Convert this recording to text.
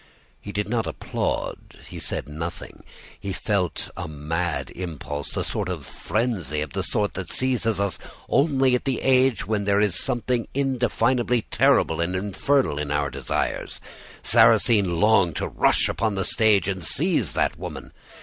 He did not applaud, he said nothing; he felt a mad impulse, a sort of frenzy of the sort that seizes us only at the age when there is a something indefinably terrible and infernal in our desires. Sarrasine longed to rush upon the stage and seize that woman.